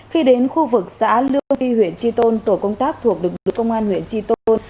khi đến khu vực xã lư huyện tri tôn tổ công tác thuộc lực lượng công an huyện tri tôn